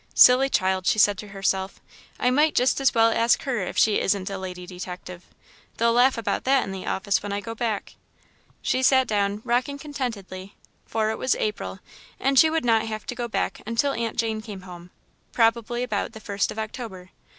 "Silly child," she said to herself. "I might just as well ask her if she isn't a'lady detective.' They'll laugh about that in the office when I go back." She sat down, rocking contentedly, for it was April, and she would not have to go back until Aunt Jane came home, probably about the first of October.